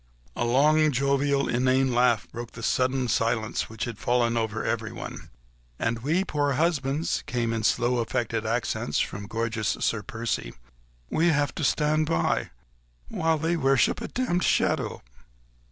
A long, jovial, inane laugh broke the sudden silence which had fallen over everyone. "And we poor husbands," came in slow, affected accents from gorgeous Sir Percy, "we have to stand by ... while they worship a demmed shadow."